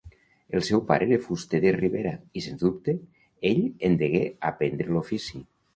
El seu pare era fuster de ribera i, sens dubte, ell en degué aprendre l'ofici.